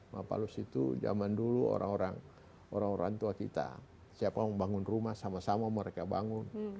mapalus itu zaman dulu orang orang tua kita siapa yang membangun rumah sama sama mereka bangun